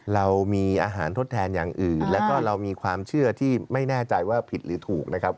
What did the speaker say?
เรามีอาหารทดแทนอย่างอื่นแล้วก็เรามีความเชื่อที่ไม่แน่ใจว่าผิดหรือถูกนะครับ